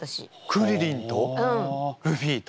クリリンとルフィと？